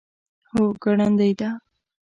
هو، خو ګړندۍ ده